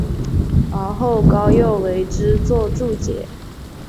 而后高诱为之作注解。